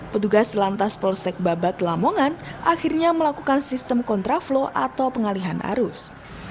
pedugas lantas polsek babat lambungan akhirnya melakukan sistem kontraflo atau pengalihan arus